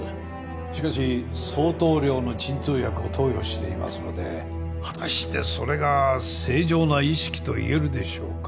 しかし相当量の鎮痛薬を投与していますので果たしてそれが正常な意識と言えるでしょうか？